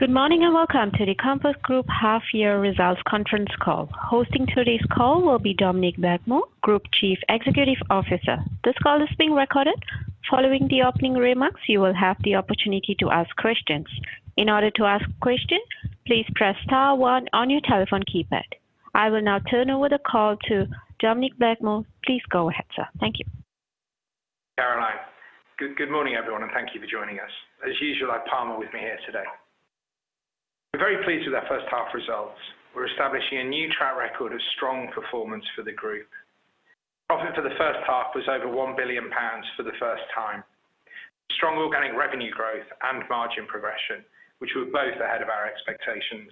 Good morning, welcome to the Compass Group Half Year Results Conference Call. Hosting today's call will be Dominic Blakemore, Group Chief Executive Officer. This call is being recorded. Following the opening remarks, you will have the opportunity to ask questions. In order to ask questions, please press star one on your telephone keypad. I will now turn over the call to Dominic Blakemore. Please go ahead, sir. Thank you. Caroline, good morning, everyone, thank you for joining us. As usual, I have Palmer with me here today. We're very pleased with our first half results. We're establishing a new track record of strong performance for the group. Profit for the first half was over 1 billion pounds for the first time. Strong organic revenue growth and margin progression, which were both ahead of our expectations.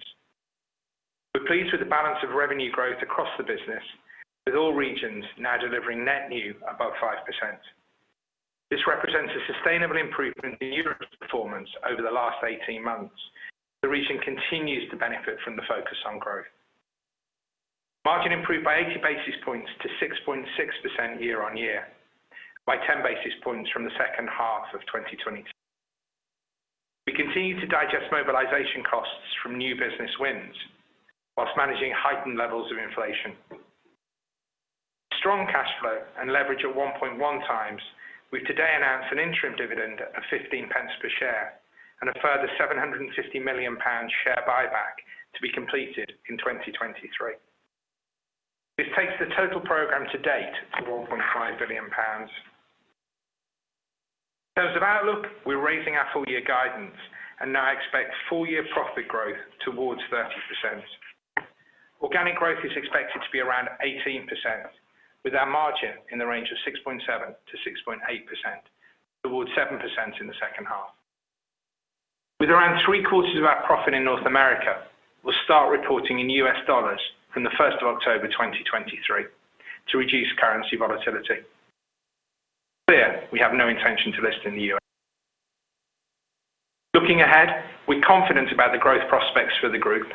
We're pleased with the balance of revenue growth across the business, with all regions now delivering net new above 5%. This represents a sustainable improvement in Europe's performance over the last 18 months. The region continues to benefit from the focus on growth. Margin improved by 80 basis points to 6.6% year-over-year, by 10 basis points from the second half of 2020. We continue to digest mobilization costs from new business wins, while managing heightened levels of inflation. Strong cash flow and leverage of 1.1x, we today announced an interim dividend of 15 pence per share and a further 750 million pounds share buyback to be completed in 2023. This takes the total program to date to 1.5 billion pounds. In terms of outlook, we're raising our full year guidance and now expect full year profit growth towards 30%. Organic growth is expected to be around 18%, with our margin in the range of 6.7%-6.8%, towards 7% in the second half. With around three-quarters of our profit in North America, we'll start reporting in US dollars from the October 1st, 2023 to reduce currency volatility. To be clear, we have no intention to list in the U.S. Looking ahead, we're confident about the growth prospects for the group.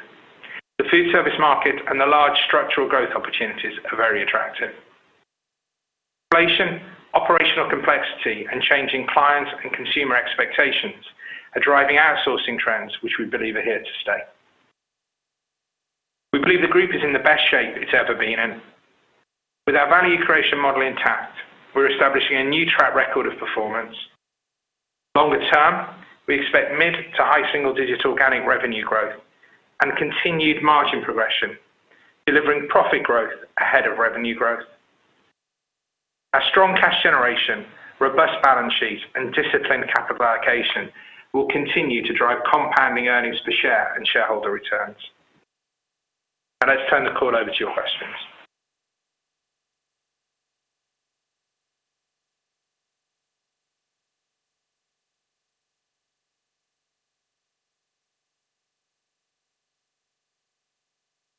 The foodservice market and the large structural growth opportunities are very attractive. Inflation, operational complexity, and changing clients and consumer expectations are driving outsourcing trends which we believe are here to stay. We believe the group is in the best shape it's ever been in. With our value creation model intact, we're establishing a new track record of performance. Longer term, we expect mid to high single-digit organic revenue growth and continued margin progression, delivering profit growth ahead of revenue growth. Our strong cash generation, robust balance sheet, and disciplined capital allocation will continue to drive compounding earnings per share and shareholder returns. Now let's turn the call over to your questions.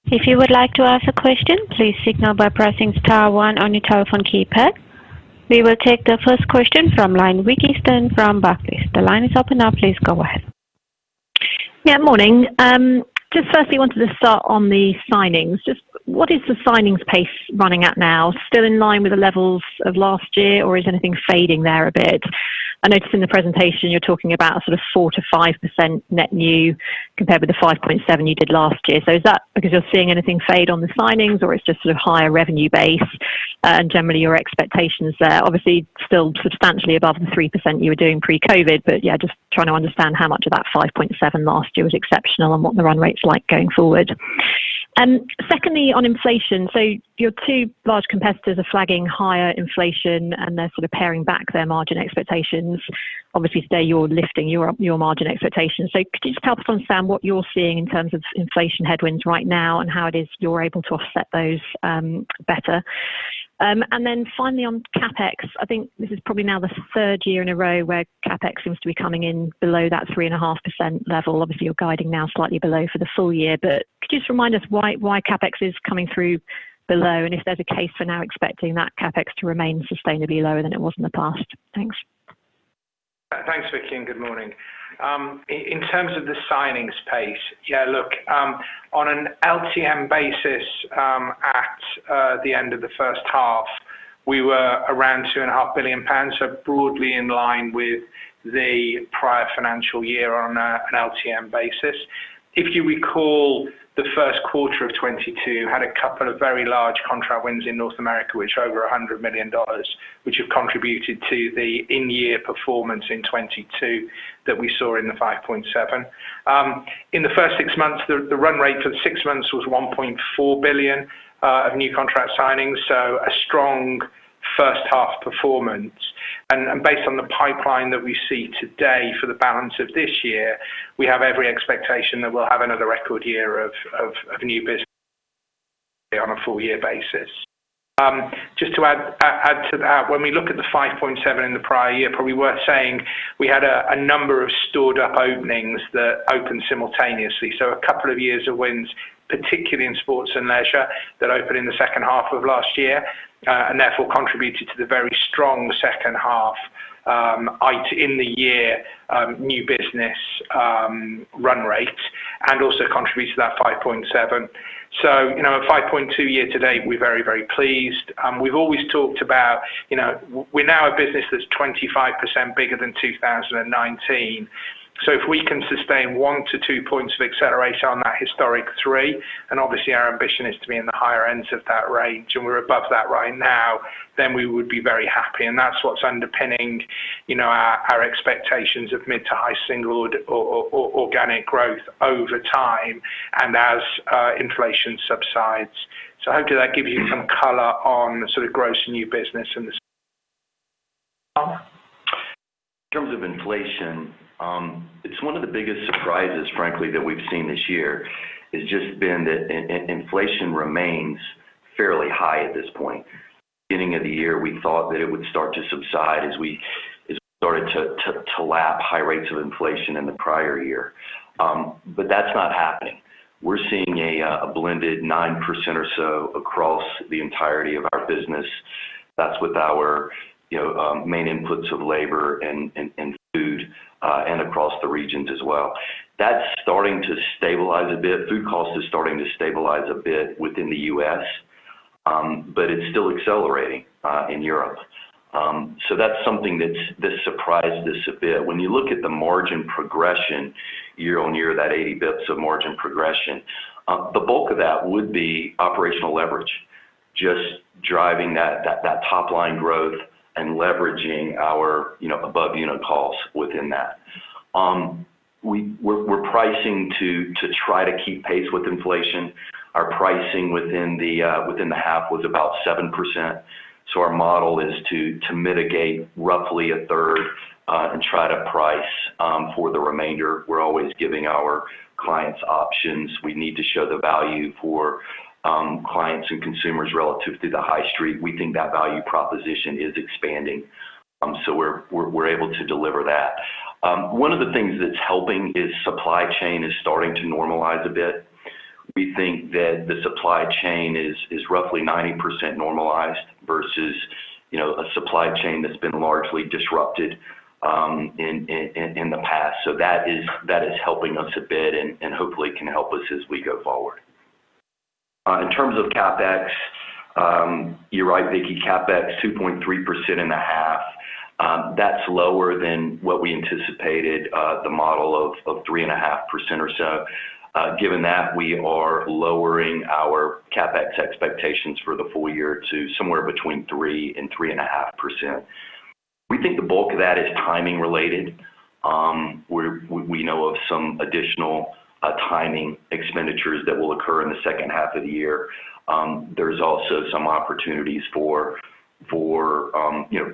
If you would like to ask a question, please signal by pressing Star One on your telephone keypad. We will take the first question from line Vicki Stern from Barclays. The line is open now. Please go ahead. Yeah, morning. Just firstly wanted to start on the signings. Just what is the signings pace running at now? Still in line with the levels of last year or is anything fading there a bit? I noticed in the presentation you're talking about a sort of 4%-5% net new compared with the 5.7% you did last year. Is that because you're seeing anything fade on the signings or it's just sort of higher revenue base? And generally your expectations there. Obviously, still substantially above the 3% you were doing pre-COVID, but yeah, just trying to understand how much of that 5.7% last year was exceptional and what the run rate's like going forward. Secondly, on inflation. Your two large competitors are flagging higher inflation and they're sort of paring back their margin expectations. Today you're lifting your margin expectations. Could you just help us understand what you're seeing in terms of inflation headwinds right now and how it is you're able to offset those better? Finally on CapEx. I think this is probably now the third year in a row where CapEx seems to be coming in below that 3.5% level. You're guiding now slightly below for the full year, could you just remind us why CapEx is coming through below, and if there's a case for now expecting that CapEx to remain sustainably lower than it was in the past? Thanks. Thanks, Vicki, and good morning. In terms of the signings pace, yeah, look, on an LTM basis, at the end of the first half, we were around 2.5 billion pounds, so broadly in line with the prior financial year on an LTM basis. If you recall, the first quarter of 2022 had a couple of very large contract wins in North America, which are over $100 million, which have contributed to the in-year performance in 2022 that we saw in the 5.7. In the first six months, the run rate for the six months was 1.4 billion of new contract signings, so a strong first half performance. Based on the pipeline that we see today for the balance of this year, we have every expectation that we'll have another record year of new business on a full year basis. Just to add to that, when we look at the 5.7 in the prior year, probably worth saying we had a number of stored up openings that opened simultaneously. A couple of years of wins, particularly in Sports & Leisure, that opened in the second half of last year, and therefore contributed to the very strong second half in the year, new business run rate. Also contributes to that 5.7. You know, at 5.2 year to date, we're very, very pleased. We've always talked about, you know, we're now a business that's 25% bigger than 2019. If we can sustain one to two points of acceleration on that historic THREE, and obviously our ambition is to be in the higher ends of that range, and we're above that right now, then we would be very happy. That's what's underpinning, you know, our expectations of mid to high single organic growth over time and as inflation subsides. Hopefully that gives you some color on the sort of gross new business and this. In terms of inflation, it's one of the biggest surprises, frankly, that we've seen this year. It's just been that inflation remains fairly high at this point. Beginning of the year, we thought that it would start to subside as we started to lap high rates of inflation in the prior year. That's not happening. We're seeing a blended 9% or so across the entirety of our business. That's with our, you know, main inputs of labor and food, and across the regions as well. That's starting to stabilize a bit. Food cost is starting to stabilize a bit within the U.S., but it's still accelerating in Europe. That's something that surprised us a bit. When you look at the margin progression year-on-year, that 80 basis points of margin progression, the bulk of that would be operational leverage, just driving that top line growth and leveraging our, you know, above unit costs within that. We're pricing to try to keep pace with inflation. Our pricing within the half was about 7%. Our model is to mitigate roughly a third and try to price for the remainder. We're always giving our clients options. We need to show the value for clients and consumers relative to the high street. We think that value proposition is expanding. We're able to deliver that. One of the things that's helping is supply chain is starting to normalize a bit. We think that the supply chain is roughly 90% normalized versus, you know, a supply chain that's been largely disrupted in the past. That is helping us a bit and hopefully can help us as we go forward. In terms of CapEx, you're right, Vicki, CapEx 2.3% in the half. That's lower than what we anticipated, the model of 3.5% or so. Given that, we are lowering our CapEx expectations for the full year to somewhere between 3%-3.5%. We think the bulk of that is timing related. We know of some additional timing expenditures that will occur in the second half of the year. There's also some opportunities for, you know,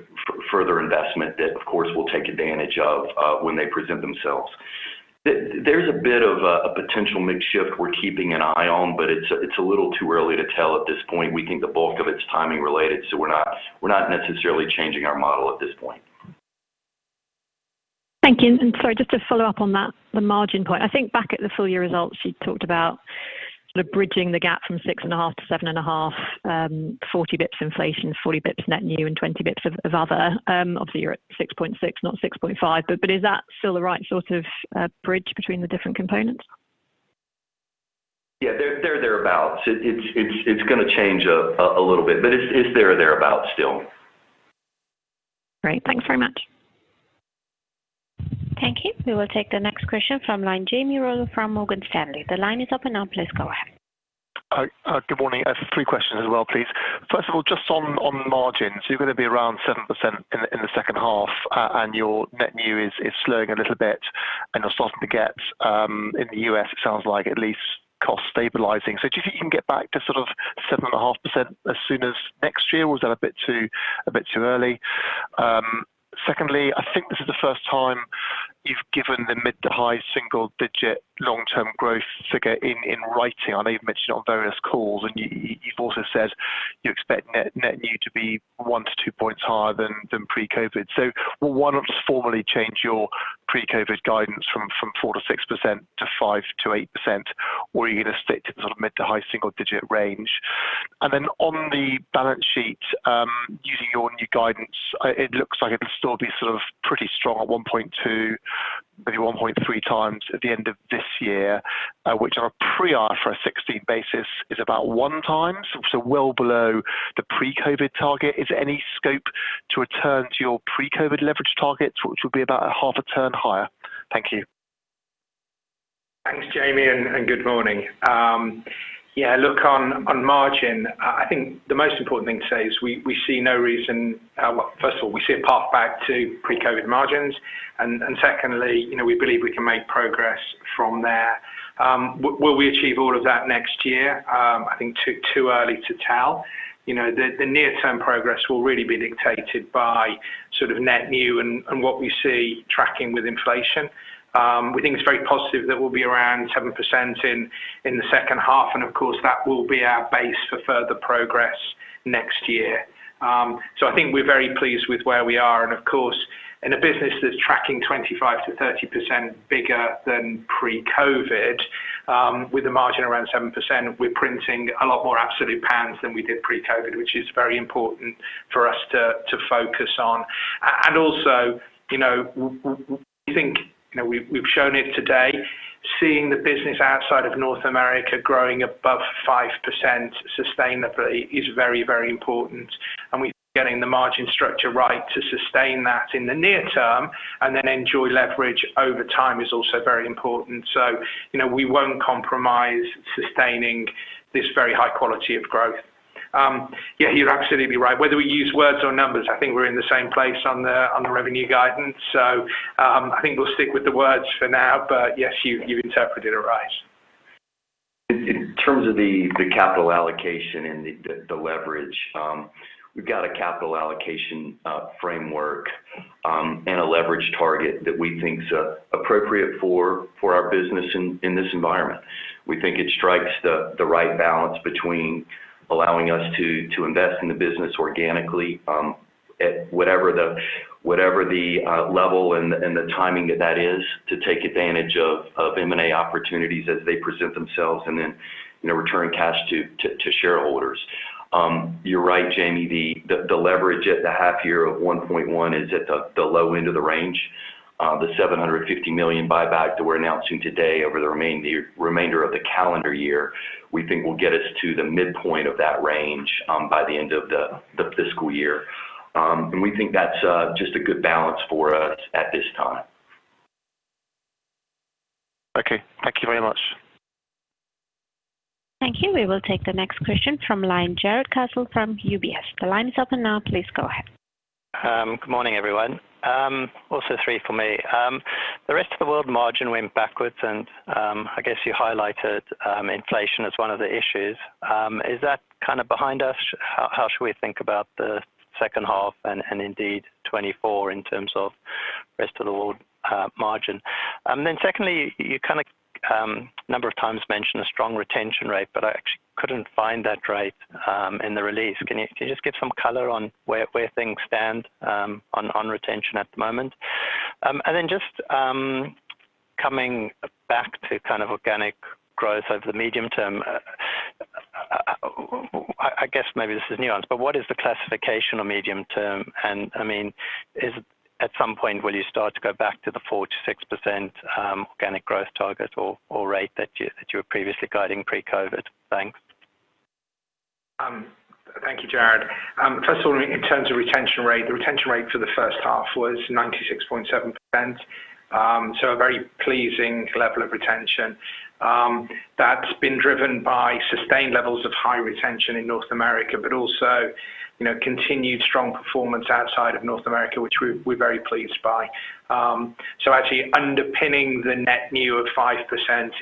further investment that, of course, we'll take advantage of, when they present themselves. There's a bit of a potential mix shift we're keeping an eye on, but it's a little too early to tell at this point. We think the bulk of it's timing related, so we're not necessarily changing our model at this point. Thank you. Sorry, just to follow up on that, the margin point. I think back at the full year results, you talked about sort of bridging the gap from 6.5% to 7.5%, 40 basis points inflation, 40 basis points net new and 20 basis points of other. Obviously you're at 6.6%, not 6.5%. Is that still the right sort of bridge between the different components? Yeah. Thereabouts. It's gonna change a little bit, but it's there or thereabout still. Great. Thanks very much. Thank you. We will take the next question from Jamie Rollo from Morgan Stanley. The line is open now. Please go ahead. Hi. Good morning. I have three questions as well, please. First of all, just on margins, you're gonna be around 7% in the second half, and your net new is slowing a little bit, and you're starting to get, in the U.S. it sounds like at least cost stabilizing. Do you think you can get back to sort of 7.5% as soon as next year, or is that a bit too early? Secondly, I think this is the first time you've given the mid to high single-digit long-term growth figure in writing. I know you've mentioned on various calls, and you've also said you expect net new to be one to two points higher than pre-COVID. Why not just formally change your pre-COVID guidance from 4%-6% to 5%-8%, or are you gonna stick to the sort of mid to high single digit range? On the balance sheet, using your new guidance, it looks like it'll still be sort of pretty strong at 1.2, maybe 1.3x at the end of this year, which on a pre-IFRS 16 basis is about 1x, so well below the pre-COVID target. Is there any scope to return to your pre-COVID leverage targets, which would be about a half a turn higher? Thank you. Thanks, Jamie, and good morning. On margin, I think the most important thing to say is we see no reason. Well, first of all, we see a path back to pre-COVID margins. Secondly, you know, we believe we can make progress from there. Will we achieve all of that next year? I think too early to tell. You know, the near-term progress will really be dictated by sort of net new and what we see tracking with inflation. We think it's very positive that we'll be around 7% in the second half, and of course, that will be our base for further progress next year. I think we're very pleased with where we are. Of course, in a business that's tracking 25%-30% bigger than pre-COVID, with a margin around 7%, we're printing a lot more absolute pounds than we did pre-COVID, which is very important for us to focus on. Also, you know, we think, you know, we've shown it today Seeing the business outside of North America growing above 5% sustainably is very, very important. We getting the margin structure right to sustain that in the near term and then enjoy leverage over time is also very important. You know, we won't compromise sustaining this very high quality of growth. Yeah, you're absolutely right. Whether we use words or numbers, I think we're in the same place on the revenue guidance. I think we'll stick with the words for now. Yes, you interpreted it right. In terms of the capital allocation and the leverage, we've got a capital allocation framework and a leverage target that we think is appropriate for our business in this environment. We think it strikes the right balance between allowing us to invest in the business organically, at whatever the level and the timing of that is to take advantage of M&A opportunities as they present themselves and then, you know, return cash to shareholders. You're right, Jamie. The leverage at the half year of 1.1 is at the low end of the range. The 750 million buyback that we're announcing today over the remainder of the calendar year, we think will get us to the midpoint of that range by the end of the fiscal year. We think that's just a good balance for us at this time. Okay. Thank you very much. Thank you. We will take the next question from line, Jared Castle from UBS. The line is open now. Please go ahead. Good morning, everyone. Also three for me. The Rest of World margin went backwards and, I guess you highlighted inflation as one of the issues. Is that kind of behind us? How should we think about the second half and, indeed 2024 in terms of Rest of World margin? Secondly, you kind of number of times mentioned a strong retention rate, but I actually couldn't find that rate in the release. Can you just give some color on where things stand on retention at the moment? Just coming back to kind of organic growth over the medium term, I guess maybe this is nuanced, but what is the classification of medium term? I mean, is at some point, will you start to go back to the 4%-6% organic growth target or rate that you were previously guiding pre-COVID? Thanks. Thank you, Jared. First of all, in terms of retention rate, the retention rate for the first half was 96.7%. A very pleasing level of retention. That's been driven by sustained levels of high retention in North America, also, you know, continued strong performance outside of North America, which we're very pleased by. Actually underpinning the net new of 5%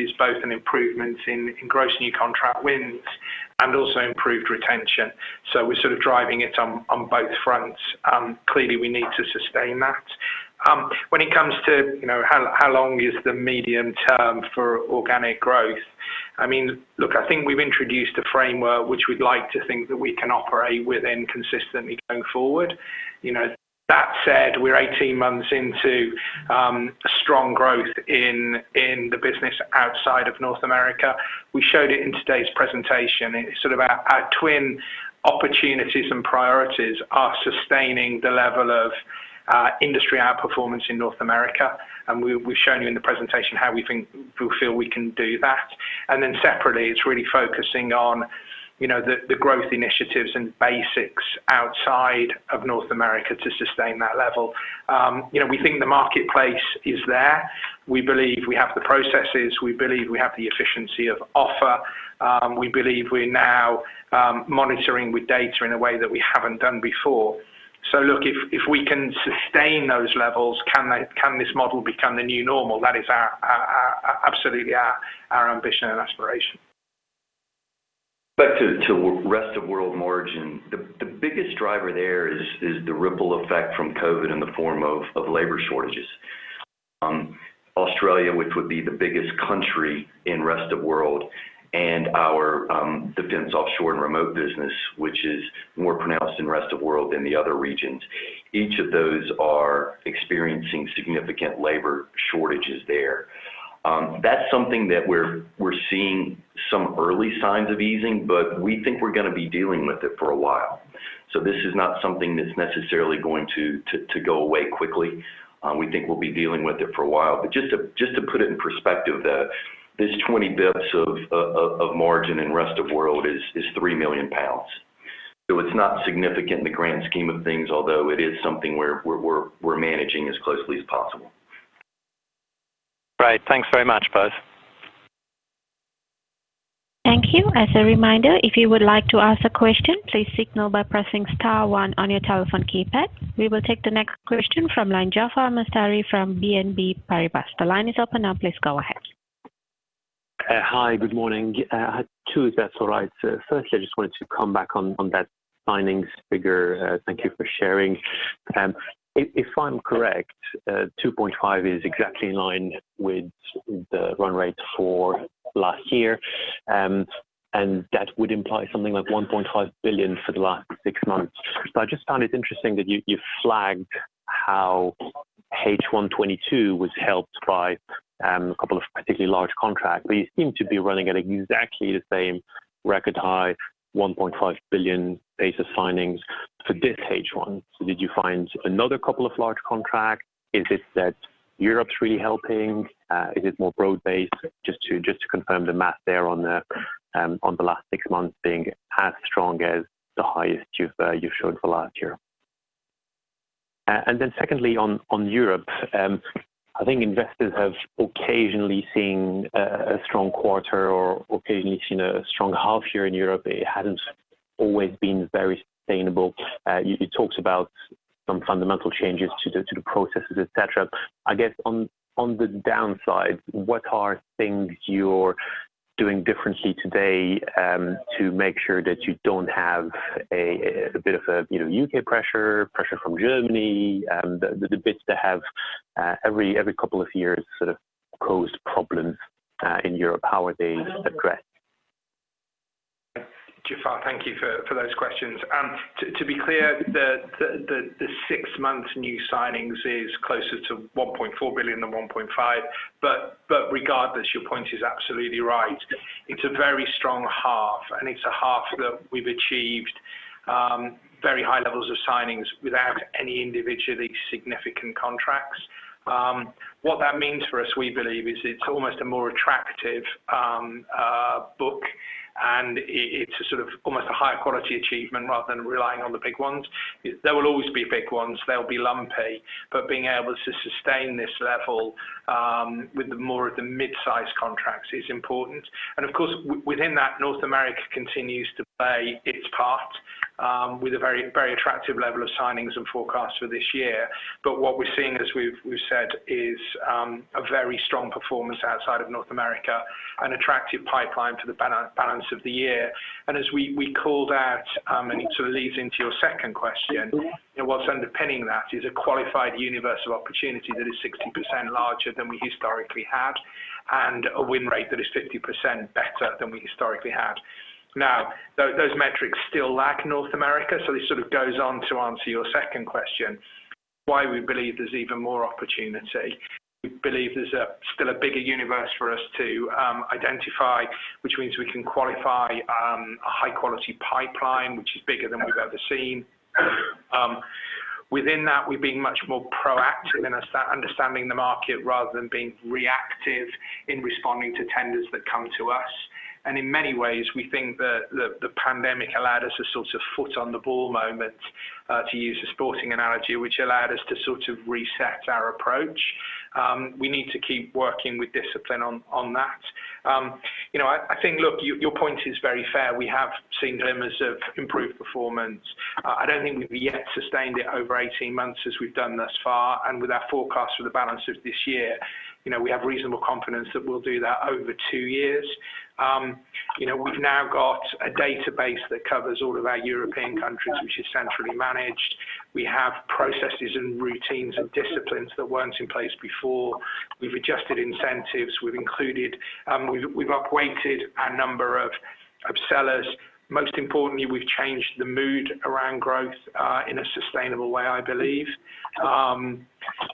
is both an improvement in gross new contract wins and also improved retention. We're sort of driving it on both fronts. Clearly we need to sustain that. When it comes to, you know, how long is the medium term for organic growth? I mean, look, I think we've introduced a framework which we'd like to think that we can operate within consistently going forward. You know, that said, we're 18 months into strong growth in the business outside of North America. We showed it in today's presentation. It's sort of our twin opportunities and priorities are sustaining the level of industry outperformance in North America. We've shown you in the presentation how we feel we can do that. Separately, it's really focusing on, you know, the growth initiatives and basics outside of North America to sustain that level. You know, we think the marketplace is there. We believe we have the processes, we believe we have the efficiency of offer, we believe we're now monitoring with data in a way that we haven't done before. Look, if we can sustain those levels, can this model become the new normal? That is our, absolutely our ambition and aspiration. To Rest of World margin, the biggest driver there is the ripple effect from COVID in the form of labor shortages. Australia, which would be the biggest country in Rest of World and our Defence, Offshore & Remote business, which is more pronounced in Rest of World than the other regions. Each of those are experiencing significant labor shortages there. That's something that we're seeing some early signs of easing, but we think we're gonna be dealing with it for a while. This is not something that's necessarily going to go away quickly. We think we'll be dealing with it for a while. Just to put it in perspective, this 20 bits of margin in Rest of World is 3 million pounds. It's not significant in the grand scheme of things, although it is something we're managing as closely as possible. Great. Thanks very much, both. Thank you. As a reminder, if you would like to ask a question, please signal by pressing Star One on your telephone keypad. We will take the next question from line Jaafar Mestari from BNP Paribas. The line is open now. Please go ahead. Hi, good morning. I had two, if that's all right. Firstly, I just wanted to come back on that signings figure. Thank you for sharing. If I'm correct, 2.5 is exactly in line with the run rate for last year. That would imply something like 1.5 billion for the last six months. I just found it interesting that you flagged how H1 2022 was helped by a couple of particularly large contracts, but you seem to be running at exactly the same record high, GBP 1.5 billion base of signings for this H1. Did you find another couple of large contracts? Is it that Europe's really helping? Is it more broad-based? Just to confirm the math there on the last six months being as strong as the highest you've shown for last year. Secondly on Europe, I think investors have occasionally seen a strong quarter or occasionally seen a strong half year in Europe. It hasn't always been very sustainable. You talked about some fundamental changes to the processes, et cetera. I guess on the downside, what are things you're doing differently today to make sure that you don't have a bit of a, you know, U.K. pressure from Germany, the bits that have every couple of years sort of caused problems in Europe. How are they addressed? Jaafar, thank you for those questions. To be clear, the six months new signings is closer to 1.4 billion than 1.5 billion, but regardless, your point is absolutely right. It's a very strong half, and it's a half that we've achieved very high levels of signings without any individually significant contracts. What that means for us, we believe, is it's almost a more attractive book, and it's a sort of almost a higher quality achievement rather than relying on the big ones. There will always be big ones, they'll be lumpy, but being able to sustain this level with the more of the mid-size contracts is important. Of course, within that, North America continues to play its part with a very, very attractive level of signings and forecast for this year. What we're seeing, as we've said, is a very strong performance outside of North America, an attractive pipeline to the balance of the year. As we called out, and it sort of leads into your second question, what's underpinning that is a qualified universal opportunity that is 60% larger than we historically had and a win rate that is 50% better than we historically had. Those metrics still lack North America, so this sort of goes on to answer your second question, why we believe there's even more opportunity. We believe there's still a bigger universe for us to identify, which means we can qualify a high quality pipeline, which is bigger than we've ever seen. Within that, we're being much more proactive in understanding the market rather than being reactive in responding to tenders that come to us. In many ways, we think the pandemic allowed us a sort of foot on the ball moment, to use a sporting analogy, which allowed us to sort of reset our approach. We need to keep working with discipline on that. You know, I think, look, your point is very fair. We have seen glimmers of improved performance. I don't think we've yet sustained it over 18 months as we've done thus far, and with our forecast for the balance of this year, you know, we have reasonable confidence that we'll do that over two years. You know, we've now got a database that covers all of our European countries which is centrally managed. We have processes and routines and disciplines that weren't in place before. We've adjusted incentives, we've upweighted a number of sellers. Most importantly, we've changed the mood around growth in a sustainable way, I believe.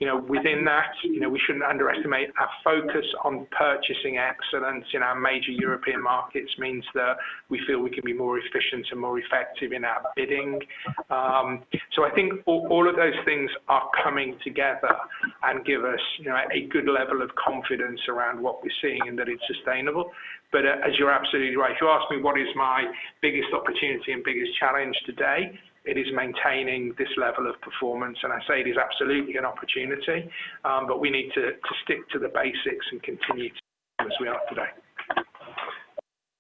You know, within that, you know, we shouldn't underestimate our focus on purchasing excellence in our major European markets means that we feel we can be more efficient and more effective in our bidding. I think all of those things are coming together and give us, you know, a good level of confidence around what we're seeing and that it's sustainable. As you're absolutely right, you asked me what is my biggest opportunity and biggest challenge today, it is maintaining this level of performance. I say it is absolutely an opportunity. We need to stick to the basics and continue as we are today.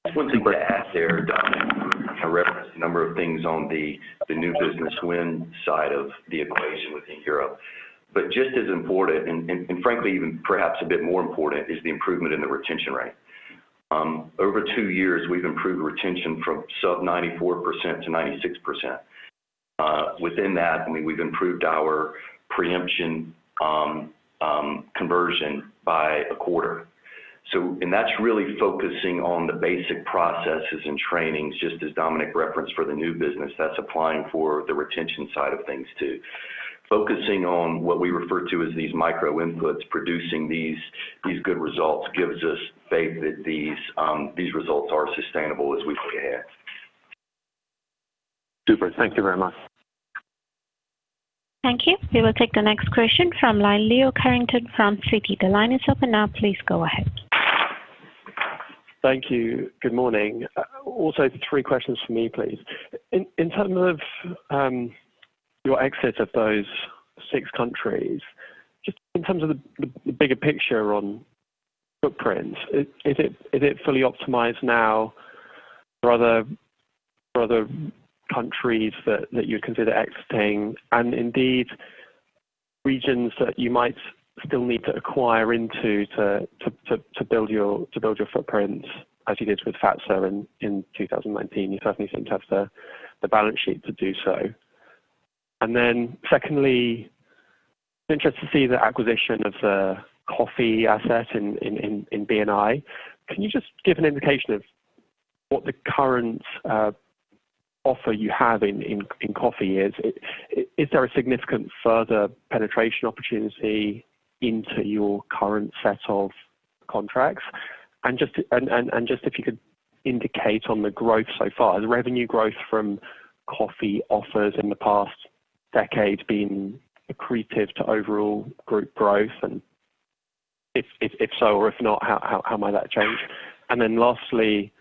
Just one thing to add there, Dominic. I referenced a number of things on the new business win side of the equation within Europe. Just as important and, and frankly, even perhaps a bit more important is the improvement in the retention rate. Over two years, we've improved retention from sub 94% to 96%. Within that, I mean, we've improved our preemption conversion by a quarter. That's really focusing on the basic processes and trainings, just as Dominic referenced for the new business that's applying for the retention side of things too. Focusing on what we refer to as these micro inputs producing these good results gives us faith that these results are sustainable as we look ahead. Super. Thank you very much. Thank you. We will take the next question from Leo Carrington from Citi. The line is open now. Please go ahead. Thank you. Good morning. Also three questions for me, please. In terms of your exit of those six countries, just in terms of the bigger picture on footprint, is it fully optimized now for other countries that you consider exiting? Indeed, regions that you might still need to acquire into to build your footprint as you did with Fazer in 2019. You certainly seem to have the balance sheet to do so. Secondly, interested to see the acquisition of the Parks Coffee asset in B&I. Can you just give an indication of what the current offer you have in Parks Coffee is? Is there a significant further penetration opportunity into your current set of contracts? Just if you could indicate on the growth so far, the revenue growth from coffee offers in the past decade been accretive to overall group growth? If so, or if not, how might that change? Lastly,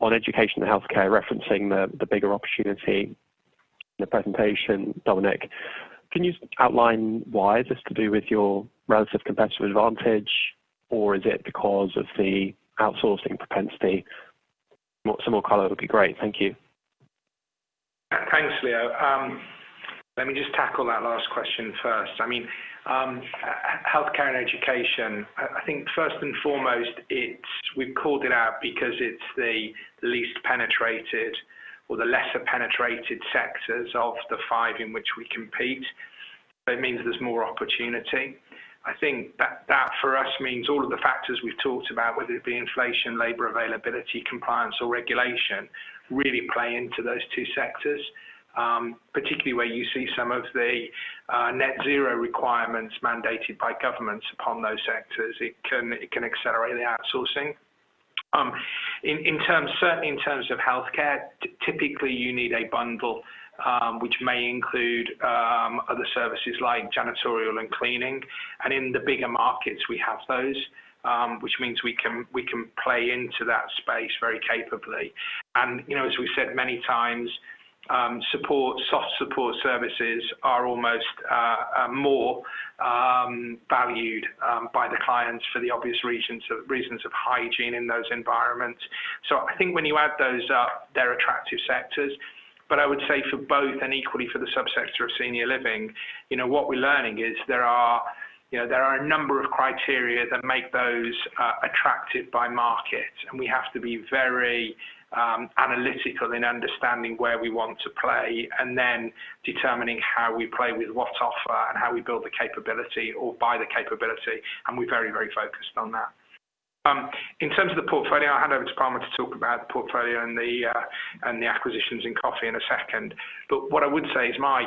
on Education and Healthcare, referencing the bigger opportunity in the presentation, Dominic, can you outline why? Is this to do with your relative competitive advantage? Or is it because of the outsourcing propensity? Some more color would be great. Thank you. Thanks, Leo. Let me just tackle that last question first. I mean, healthcare and education, I think first and foremost, we've called it out because it's the least penetrated or the lesser penetrated sectors of the five in which we compete. That means there's more opportunity. I think that for us means all of the factors we've talked about, whether it be inflation, labor availability, compliance or regulation, really play into those two sectors, particularly where you see some of the net zero requirements mandated by governments upon those sectors. It can accelerate the outsourcing. In terms, certainly in terms of healthcare, typically you need a bundle, which may include other services like janitorial and cleaning. In the bigger markets we have those, which means we can play into that space very capably. You know, as we've said many times, support, soft support services are almost more valued by the clients for the obvious reasons of hygiene in those environments. I think when you add those up, they're attractive sectors. I would say for both and equally for the subsector of Senior Living, you know, what we're learning is there are, you know, there are a number of criteria that make those attractive by market. We have to be very analytical in understanding where we want to play and then determining how we play with what offer and how we build the capability or buy the capability. We're very, very focused on that. In terms of the portfolio, I'll hand over to Palmer to talk about the portfolio and the and the acquisitions in coffee in a second. What I would say is you know,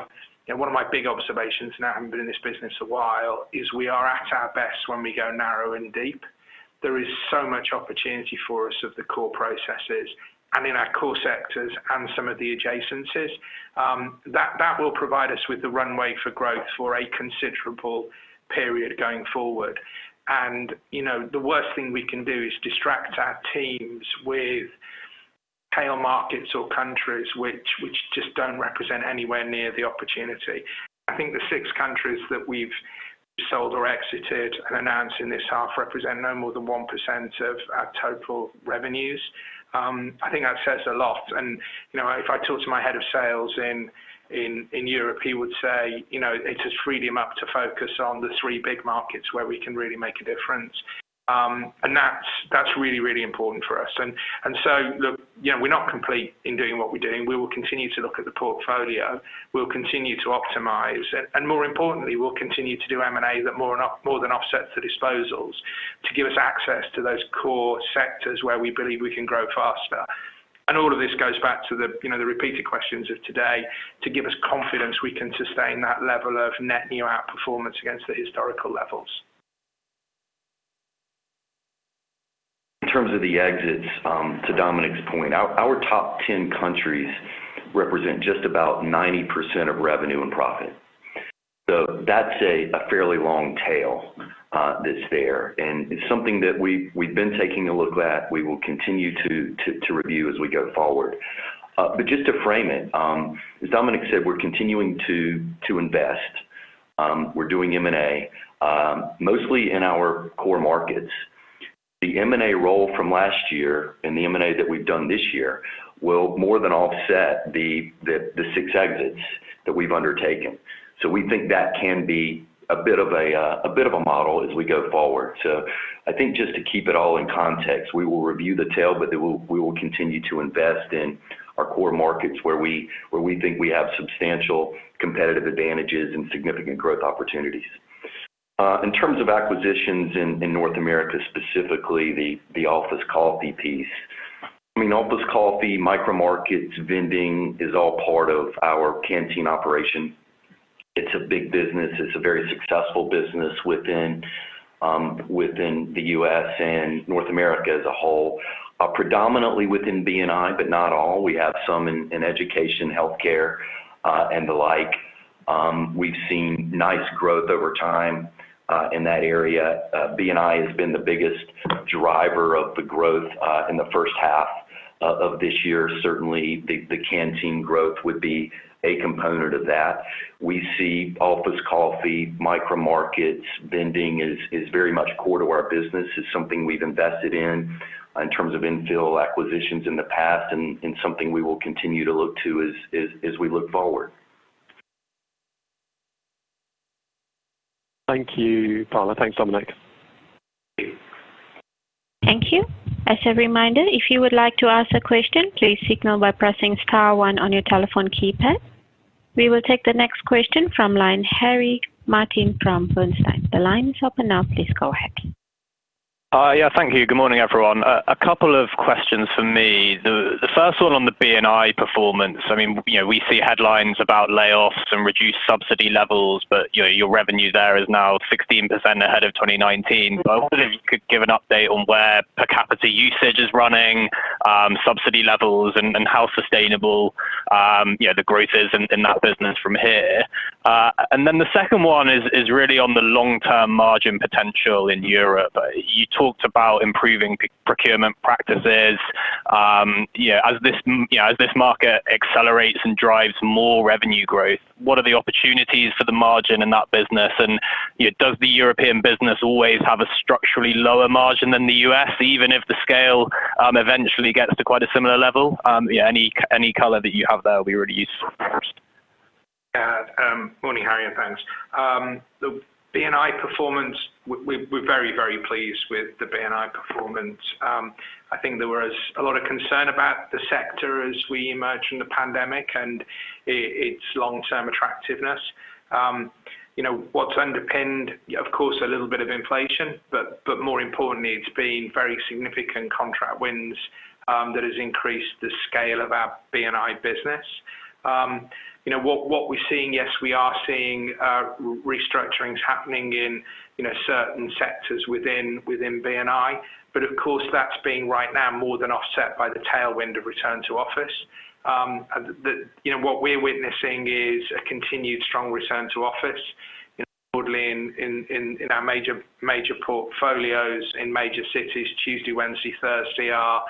one of my big observations, now I haven't been in this business a while, is we are at our best when we go narrow and deep. There is so much opportunity for us of the core processes and in our core sectors and some of the adjacencies, that will provide us with the runway for growth for a considerable period going forward. You know, the worst thing we can do is distract our teams with tail markets or countries which just don't represent anywhere near the opportunity. I think the six countries that we've sold or exited and announced in this half represent no more than 1% of our total revenues. I think that says a lot. You know, if I talk to my head of sales in Europe, he would say, you know, it's just freed him up to focus on the tree big markets where we can really make a difference. That's really important for us. Look, you know, we're not complete in doing what we're doing. We will continue to look at the portfolio. We'll continue to optimize it. More importantly, we'll continue to do M&A that more than offsets the disposals to give us access to those core sectors where we believe we can grow faster. All of this goes back to the, you know, the repeated questions of today to give us confidence we can sustain that level of net new outperformance against the historical levels. In terms of the exits, to Dominic's point, our top 10 countries represent just about 90% of revenue and profit. That's a fairly long tail that's there. It's something that we've been taking a look at. We will continue to review as we go forward. Just to frame it, as Dominic said, we're continuing to invest. We're doing M&A, mostly in our core markets. The M&A role from last year and the M&A that we've done this year will more than offset the 6 exits that we've undertaken. We think that can be a bit of a model as we go forward. I think just to keep it all in context, we will review the tail, but we will continue to invest in our core markets where we think we have substantial competitive advantages and significant growth opportunities. In terms of acquisitions in North America, specifically the office coffee piece. I mean, office coffee, micro markets, vending is all part of our Canteen operation. It's a big business. It's a very successful business within the U.S. and North America as a whole. Predominantly within B&I, but not all. We have some in education, healthcare, and the like. We've seen nice growth over time, in that area. B&I has been the biggest driver of the growth, in the first half of this year. Certainly, the Canteen growth would be a component of that. We see office coffee, micro markets, vending is very much core to our business. It's something we've invested in in terms of infill acquisitions in the past and something we will continue to look to as we look forward. Thank you, Palmer. Thanks, Dominic. Thank you. Thank you. As a reminder, if you would like to ask a question, please signal by pressing star one on your telephone keypad. We will take the next question from line Harry Martin from Bernstein. The line is open now. Please go ahead. Yeah, thank you. Good morning, everyone. A couple of questions from me. The first one on the B&I performance. I mean, you know, we see headlines about layoffs and reduced subsidy levels, you know, your revenue there is now 16% ahead of 2019. I wonder if you could give an update on where per capita usage is running, subsidy levels and how sustainable, yeah, the growth is in that business from here. The second one is really on the long-term margin potential in Europe. You talked about improving procurement practices. You know, as this market accelerates and drives more revenue growth, what are the opportunities for the margin in that business? You know, does the European business always have a structurally lower margin than the U.S., even if the scale eventually gets to quite a similar level? Yeah, any color that you have there will be really useful for us. Yeah. Morning, Harry, and thanks. The B&I performance, we're very, very pleased with the B&I performance. I think there was a lot of concern about the sector as we emerged from the pandemic and its long-term attractiveness. You know, what's underpinned, of course, a little bit of inflation, but more importantly, it's been very significant contract wins that has increased the scale of our B&I business. You know, what we're seeing, yes, we are seeing restructurings happening in, you know, certain sectors within B&I. Of course, that's been right now more than offset by the tailwind of return to office. You know, what we're witnessing is a continued strong return to office. You know, broadly in our major portfolios in major cities, Tuesday, Wednesday, Thursday are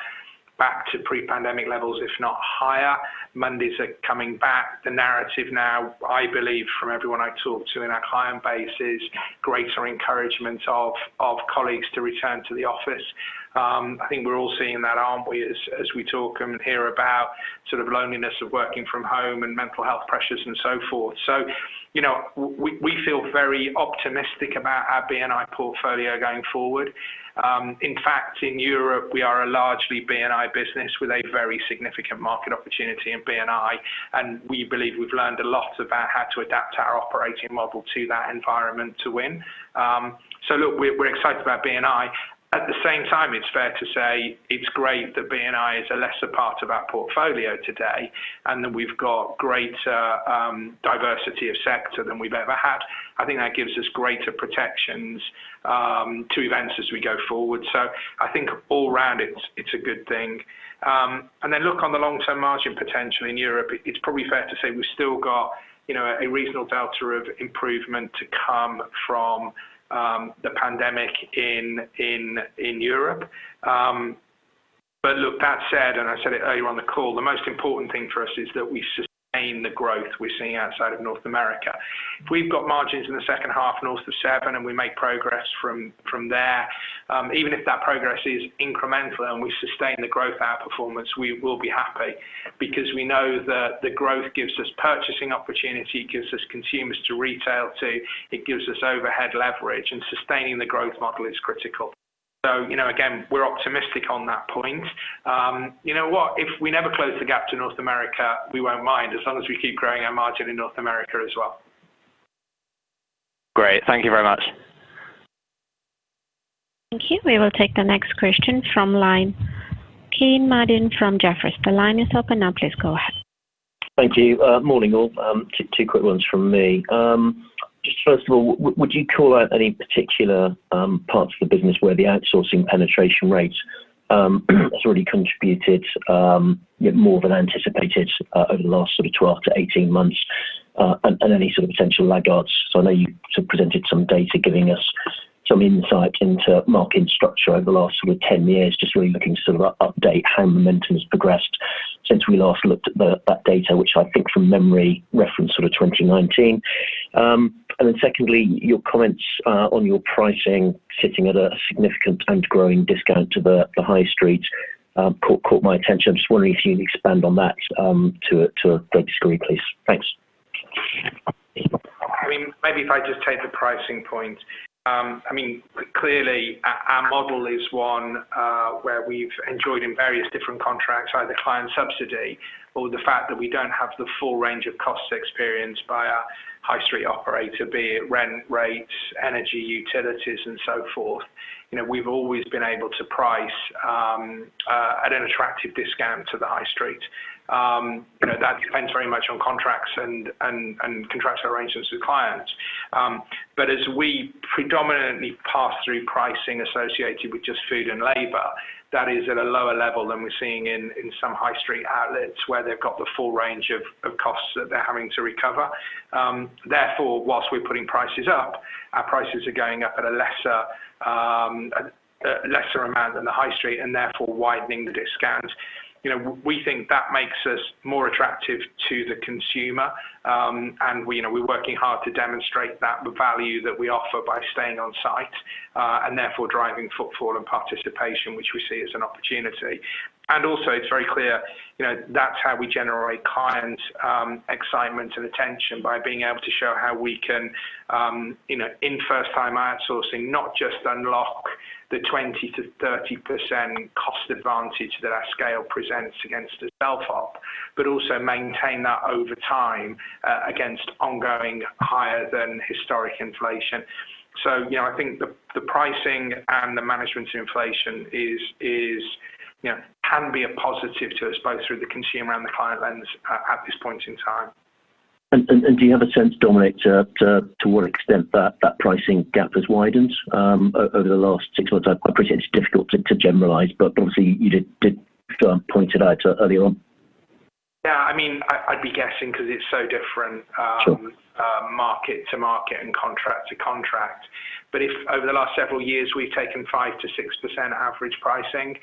back to pre-pandemic levels, if not higher. Mondays are coming back. The narrative now, I believe, from everyone I talk to in our client base is greater encouragement of colleagues to return to the office. I think we're all seeing that, aren't we, as we talk and hear about sort of loneliness of working from home and mental health pressures and so forth. you know, we feel very optimistic about our B&I portfolio going forward. In fact, in Europe, we are a largely B&I business with a very significant market opportunity in B&I, and we believe we've learned a lot about how to adapt our operating model to that environment to win. Look, we're excited about B&I. At the same time, it's fair to say it's great that B&I is a lesser part of our portfolio today and that we've got greater diversity of sector than we've ever had. I think that gives us greater protections to events as we go forward. I think all round it's a good thing. Then look on the long-term margin potential in Europe, it's probably fair to say we've still got, you know, a reasonable delta of improvement to come from the pandemic in Europe. Look, that said, and I said it earlier on the call, the most important thing for us is that we sustain the growth we're seeing outside of North America. If we've got margins in the second half north of 7% and we make progress from there, even if that progress is incremental and we sustain the growth outperformance, we will be happy because we know that the growth gives us purchasing opportunity, gives us consumers to retail to, it gives us overhead leverage, and sustaining the growth model is critical. You know, again, we're optimistic on that point. You know what? If we never close the gap to North America, we won't mind as long as we keep growing our margin in North America as well. Great. Thank you very much. Thank you. We will take the next question from line. Kean Marden from Jefferies. The line is open now. Please go ahead. Thank you. Morning, all. Two quick ones from me. Just first of all, would you call out any particular parts of the business where the outsourcing penetration rate has already contributed more than anticipated over the last sort of 12-18 months, and any sort of potential laggards? I know you sort of presented some data giving us some insight into marking structure over the last sort of 10 years, just really looking to sort of update how momentum has progressed since we last looked at the, that data, which I think from memory referenced sort of 2019. Secondly, your comments on your pricing sitting at a significant and growing discount to the high street caught my attention. I'm just wondering if you can expand on that, to a greater degree, please. Thanks. I mean, maybe if I just take the pricing point. I mean, clearly our model is one where we've enjoyed in various different contracts, either client subsidy or the fact that we don't have the full range of costs experienced by our high street operator, be it rent, rates, energy, utilities, and so forth. You know, we've always been able to price at an attractive discount to the high street. You know, that depends very much on contracts and contractual arrangements with clients. As we predominantly pass through pricing associated with just food and labor, that is at a lower level than we're seeing in some high street outlets where they've got the full range of costs that they're having to recover. Therefore, whilst we're putting prices up, our prices are going up at a lesser, a lesser amount than the high street and therefore widening the discounts. You know, we think that makes us more attractive to the consumer, and we, you know, we're working hard to demonstrate that value that we offer by staying on-site, and therefore driving footfall and participation, which we see as an opportunity. Also, it's very clear, you know, that's how we generate client excitement and attention by being able to show how we can, you know, in first-time outsourcing, not just unlock the 20%-30% cost advantage that our scale presents against a self-op. Also maintain that over time, against ongoing higher than historic inflation. you know, I think the pricing and the management inflation is, you know, can be a positive to us both through the consumer and the client lens at this point in time. Do you have a sense, Dominic, to what extent that pricing gap has widened over the last six months? I appreciate it's difficult to generalize, obviously you did point it out early on. I mean, I'd be guessing 'cause it's so different... Sure market to market and contract to contract. If over the last several years we've taken 5%-6% average pricing, you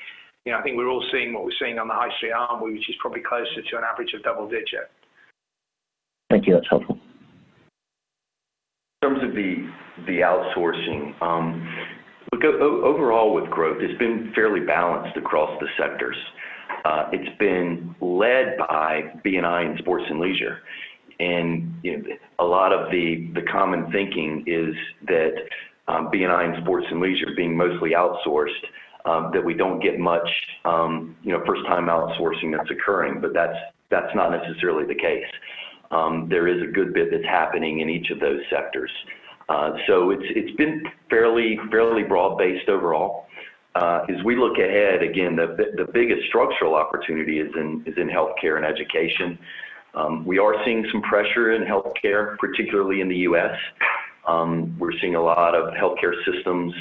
know, I think we're all seeing what we're seeing on the high street arm, which is probably closer to an average of double-digit. Thank you. That's helpful. In terms of the outsourcing, overall with growth, it's been fairly balanced across the sectors. It's been led by B&I and Sports & Leisure. You know, a lot of the common thinking is that B&I and Sports & Leisure being mostly outsourced, that we don't get much, you know, first-time outsourcing that's occurring, but that's not necessarily the case. There is a good bit that's happening in each of those sectors. It's been fairly broad-based overall. As we look ahead, again, the biggest structural opportunity is in healthcare and education. We are seeing some pressure in healthcare, particularly in the U.S. We're seeing a lot of healthcare systems,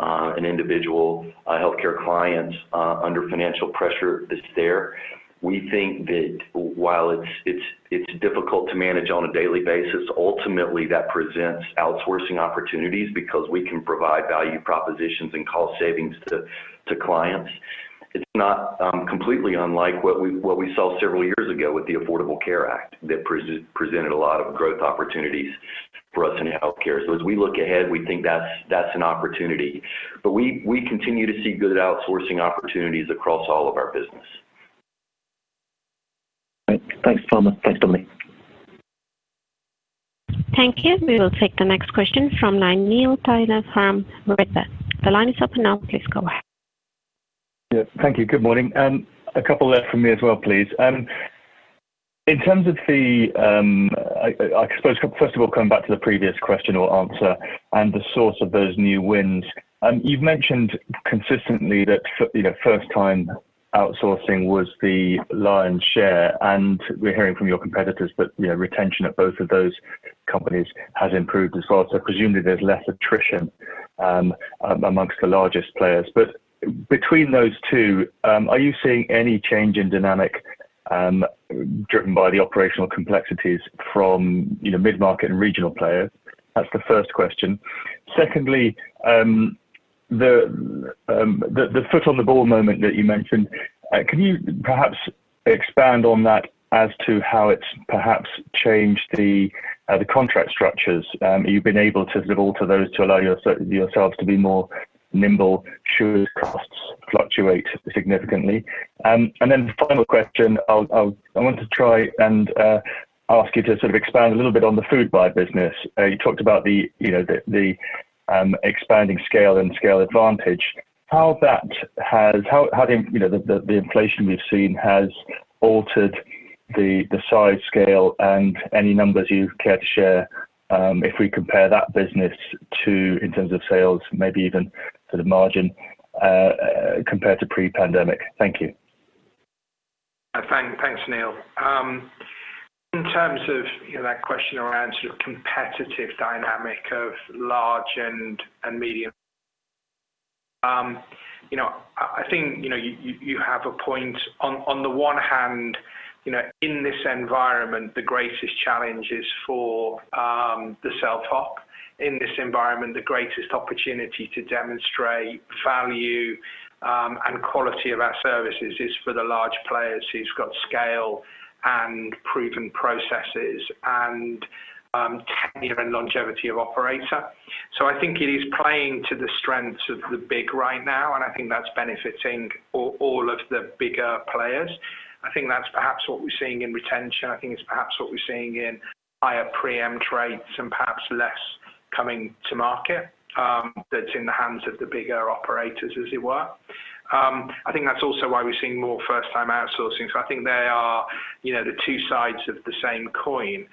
and individual healthcare clients, under financial pressure that's there. We think that while it's difficult to manage on a daily basis, ultimately that presents outsourcing opportunities because we can provide value propositions and cost savings to clients. It's not completely unlike what we saw several years ago with the Affordable Care Act that presented a lot of growth opportunities for us in healthcare. As we look ahead, we think that's an opportunity. We continue to see good outsourcing opportunities across all of our business. Right. Thanks, Palmer. Thanks, Dominic. Thank you. We will take the next question from Neil Tyler from Redburn. The line is open now. Please go ahead. Yeah. Thank you. Good morning. A couple there from me as well, please. In terms of the, I suppose first of all, coming back to the previous question or answer and the source of those new wins, you've mentioned consistently that you know, first time outsourcing was the lion's share, and we're hearing from your competitors that, you know, retention at both of those companies has improved as well. Presumably there's less attrition amongst the largest players. Between those two, are you seeing any change in dynamic driven by the operational complexities from, you know, mid-market and regional players? That's the first question. Secondly, the foot on the ball moment that you mentioned, can you perhaps expand on that as to how it's perhaps changed the contract structures? You've been able to live alter those to allow yourselves to be more nimble should costs fluctuate significantly. Then the final question, I'll I want to try and ask you to sort of expand a little bit on the Foodbuy business. You talked about the, you know, the expanding scale and scale advantage. How, you know, the, the inflation we've seen has altered the size scale and any numbers you care to share, if we compare that business to in terms of sales, maybe even sort of margin, compared to pre-pandemic. Thank you. Thanks, Neil. In terms of, you know, that question around sort of competitive dynamic of large and medium. You know, I think, you know, you have a point. On the one hand, you know, in this environment, the greatest challenge is for the self-op. In this environment, the greatest opportunity to demonstrate value and quality of our services is for the large players who's got scale and proven processes and tenure and longevity of operator. I think it is playing to the strengths of the big right now, and I think that's benefiting all of the bigger players. I think that's perhaps what we're seeing in retention. I think it's perhaps what we're seeing in higher pre-em rates and perhaps less coming to market, that's in the hands of the bigger operators, as it were. I think that's also why we're seeing more first time outsourcing. I think they are, you know, the two sides of the same coin.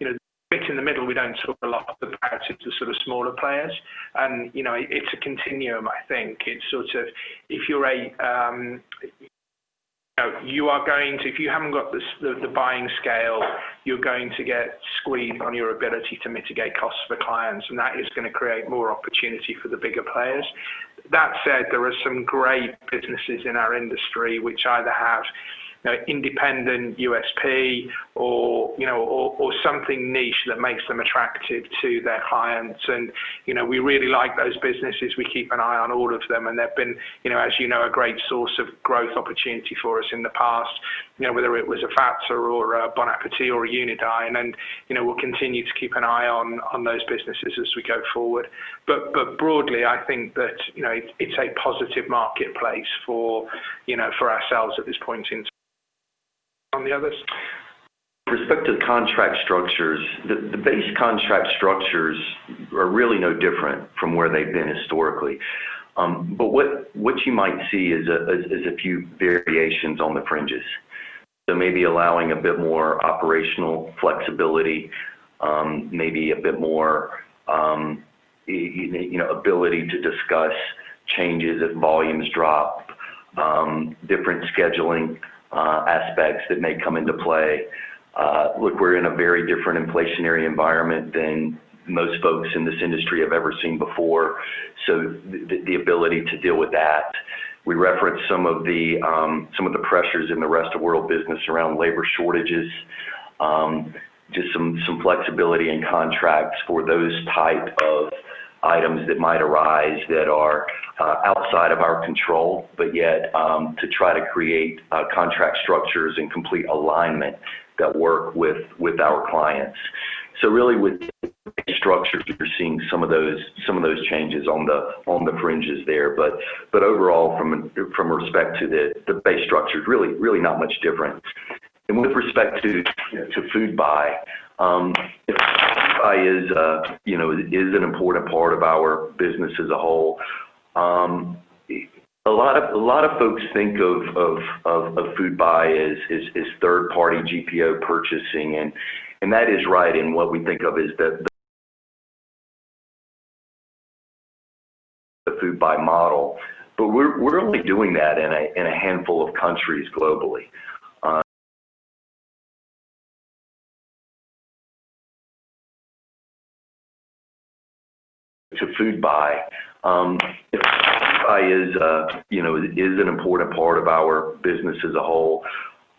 You know, bit in the middle, we don't talk a lot about it to sort of smaller players and, you know, it's a continuum I think. It's sort of if you're a, you know, you are going to... If you haven't got the buying scale, you're going to get squeezed on your ability to mitigate costs for clients, and that is gonna create more opportunity for the bigger players. That said, there are some great businesses in our industry which either have, you know, independent USP or, you know, or something niche that makes them attractive to their clients. And, you know, we really like those businesses. We keep an eye on all of them, and they've been, you know, as you know, a great source of growth opportunity for us in the past, you know, whether it was a Fazer or a Bon Appétit or a Unidine. And, you know, we'll continue to keep an eye on those businesses as we go forward. But, but broadly, I think that, you know, it's a positive marketplace for, you know, for ourselves at this point in. With respect to the contract structures, the base contract structures are really no different from where they've been historically. What you might see is a few variations on the fringes. Maybe allowing a bit more operational flexibility, maybe a bit more, you know, ability to discuss changes if volumes drop, different scheduling aspects that may come into play. Look, we're in a very different inflationary environment than most folks in this industry have ever seen before, the ability to deal with that. We referenced some of the pressures in the Rest of World business around labor shortages. Just some flexibility in contracts for those type of items that might arise that are outside of our control, but yet to try to create contract structures and complete alignment that work with our clients. Really with structures, we're seeing some of those changes on the fringes there. Overall from respect to the base structure is really not much different. With respect to, you know, to Foodbuy, is, you know, is an important part of our business as a whole. A lot of folks think of Foodbuy as third party GPO purchasing and that is right in what we think of as the Foodbuy model. We're only doing that in a handful of countries globally. To Foodbuy, you know, is an important part of our business as a whole.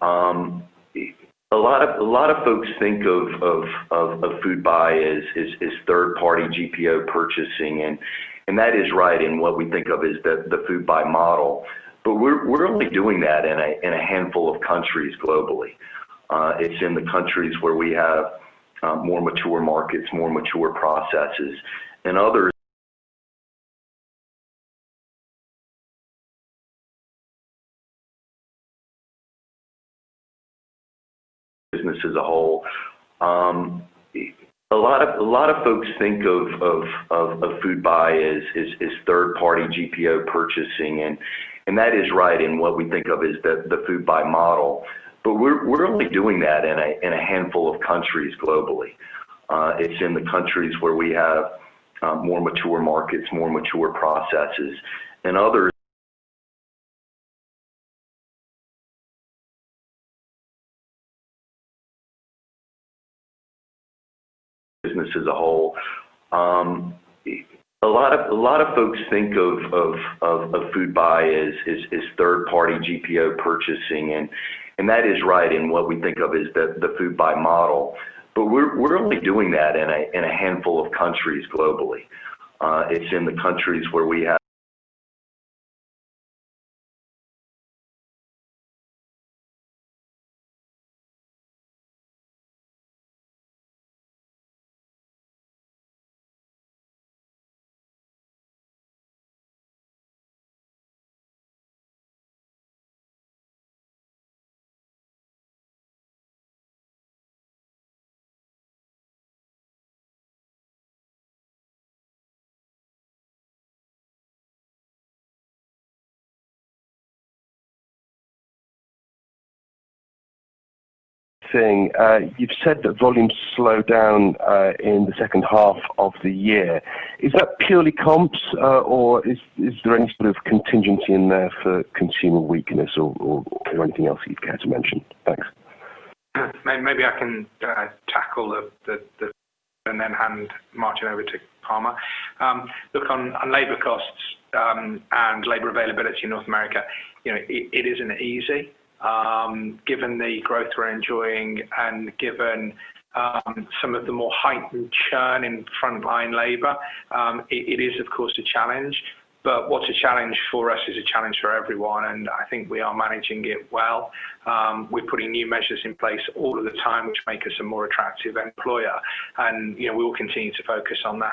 A lot of folks think of Foodbuy as third party GPO purchasing and that is right in what we think of as the Foodbuy model. We're only doing that in a handful of countries globally. It's in the countries where we have more mature markets, more mature processes. Other business as a whole. A lot of folks think of Foodbuy as third party GPO purchasing and that is right in what we think of as the Foodbuy model. We're only doing that in a handful of countries globally. It's in the countries where we have more mature markets, more mature processes. Other Business as a whole. A lot of folks think of Foodbuy as third party GPO purchasing and that is right in what we think of as the Foodbuy model. We're only doing that in a handful of countries globally. It's in the countries where we have Thing. You've said that volumes slowed down in the second half of the year. Is that purely comps, or is there any sort of contingency in there for consumer weakness or anything else that you'd care to mention? Thanks. Maybe I can tackle the and then hand Martin over to Palmer. Look, on labor costs, and labor availability in North America, you know, it isn't easy, given the growth we're enjoying and given some of the more heightened churn in frontline labor. It is of course a challenge, but what's a challenge for us is a challenge for everyone, and I think we are managing it well. We're putting new measures in place all of the time, which make us a more attractive employer. You know, we will continue to focus on that.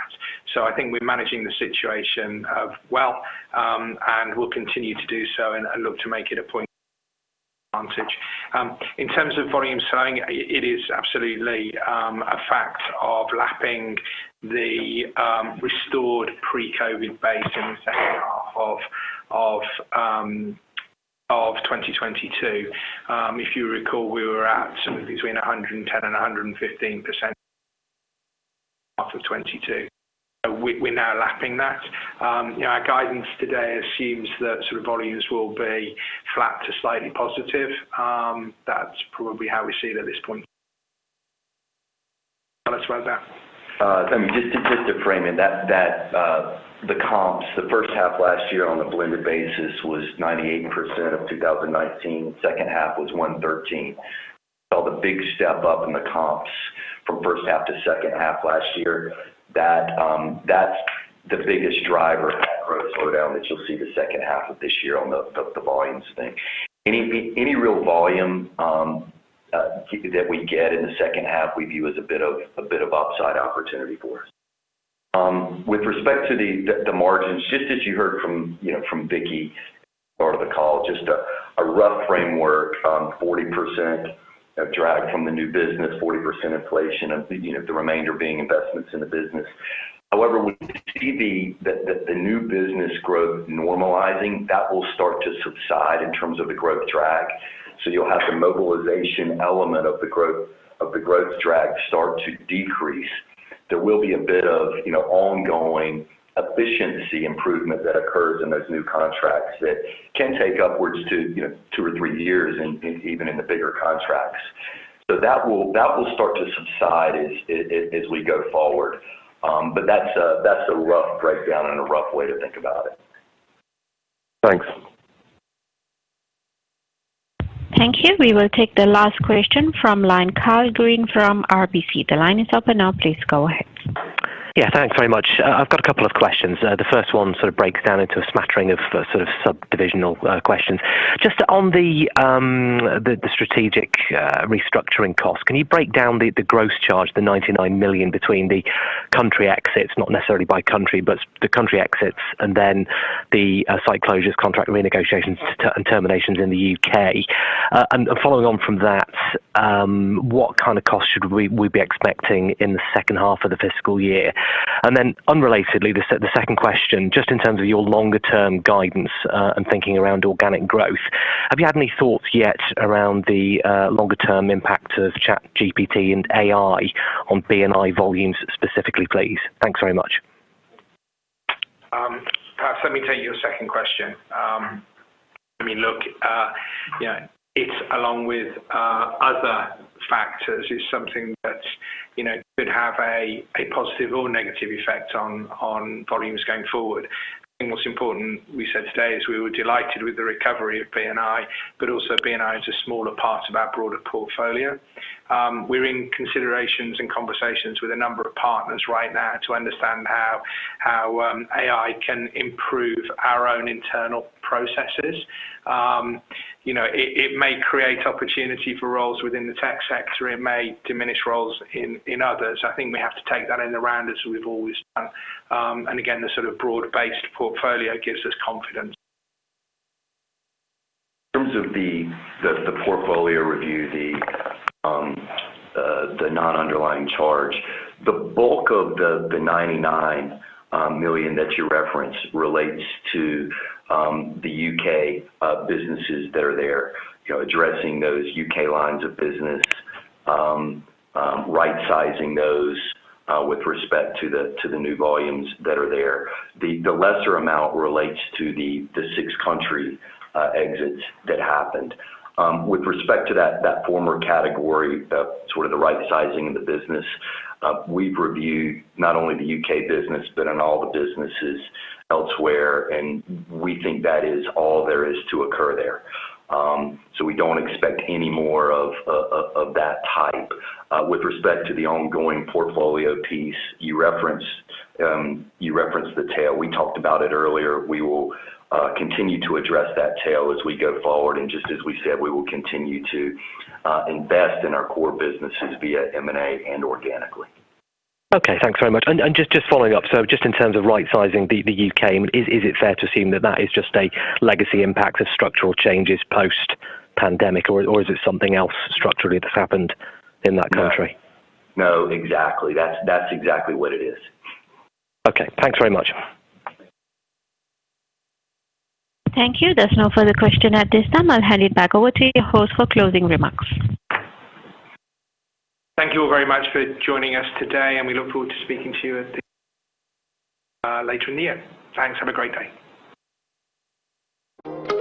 I think we're managing the situation well, and we'll continue to do so and look to make it a point advantage. In terms of volumes slowing, it is absolutely a fact of lapping the restored pre-COVID base in the second half of 2022. If you recall, we were at somewhere between 110 and 115% half of 2022. We're now lapping that. You know, our guidance today assumes that sort of volumes will be flat to slightly positive. That's probably how we see it at this point. about that. I mean, just to frame it, that the comps the first half last year on the blended basis was 98% of 2019, second half was 113. Saw the big step up in the comps from first half to second half last year. That's the biggest driver of that growth slowdown that you'll see the second half of this year on the volumes thing. Any real volume that we get in the second half we view as a bit of upside opportunity for us. With respect to the margins, just as you heard from, you know, from Vicki at the start of the call, just a rough framework, 40% of drag from the new business, 40% inflation of the, you know, the remainder being investments in the business. We see that the new business growth normalizing, that will start to subside in terms of the growth drag. You'll have the mobilization element of the growth drag start to decrease. There will be a bit of, you know, ongoing efficiency improvement that occurs in those new contracts that can take upwards to, you know, two or three years in even in the bigger contracts. That will start to subside as we go forward. That's a rough breakdown and a rough way to think about it. Thanks. Thank you. We will take the last question from line. Karl Green from RBC. The line is open now. Please go ahead. Yeah, thanks very much. I've got a couple of questions. The first one sort of breaks down into a smattering of sort of sub-divisional questions. Just on the strategic restructuring cost, can you break down the gross charge, the 99 million between the country exits, not necessarily by country, but the country exits and then the site closures, contract renegotiations, and terminations in the U.K. Following on from that, what kind of costs should we be expecting in the second half of the fiscal year? Unrelatedly, the second question, just in terms of your longer term guidance, and thinking around organic growth, have you had any thoughts yet around the longer term impact of ChatGPT and AI on B&I volumes specifically, please? Thanks very much. Perhaps let me take your second question. I mean, look, you know, it along with other factors is something that, you know, could have a positive or negative effect on volumes going forward. I think what's important we said today is we were delighted with the recovery of B&I, also B&I is a smaller part of our broader portfolio. We're in considerations and conversations with a number of partners right now to understand how AI can improve our own internal processes. You know, it may create opportunity for roles within the tech sector. It may diminish roles in others. I think we have to take that in the round as we've always done. Again, the sort of broad-based portfolio gives us confidence. In terms of the portfolio review, the non-underlying charge. The bulk of the 99 million that you referenced relates to the U.K. businesses that are there. You know, addressing those U.K. lines of business, right sizing those with respect to the new volumes that are there. The lesser amount relates to the six country exits that happened. With respect to that former category, sort of the right sizing of the business, we've reviewed not only the U.K. business, but in all the businesses elsewhere, and we think that is all there is to occur there. We don't expect any more of that type. With respect to the ongoing portfolio piece you referenced, you referenced the tail. We talked about it earlier. We will continue to address that tail as we go forward. Just as we said, we will continue to invest in our core businesses via M&A and organically. Okay, thanks very much. Just following up, just in terms of right sizing the U.K., I mean, is it fair to assume that that is just a legacy impact of structural changes post pandemic or is it something else structurally that's happened in that country? No. Exactly. That's exactly what it is. Okay, thanks very much. Thank you. There's no further question at this time. I'll hand it back over to your host for closing remarks. Thank you all very much for joining us today. We look forward to speaking to you at the, later in the year. Thanks. Have a great day.